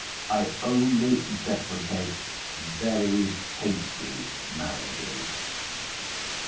I only deprecate very hasty marriages.